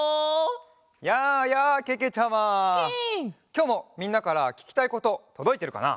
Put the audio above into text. きょうもみんなからききたいこととどいてるかな？